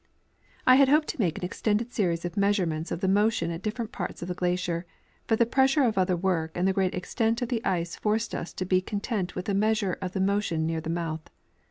I had hoped to make an extended series of uieasurenients of the motion at different parts of the glacier, bnt the pressure of otlaer work and the great extent of the ice forced us to be con tent with a measure of the motion near the mouth.